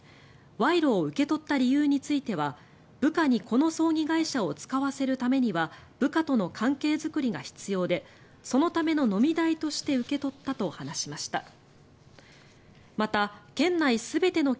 賄賂を受け取った理由については部下にこの葬儀会社を使わせるためには部下との関係作りが必要でそのための飲み代として受け取ったと話しました。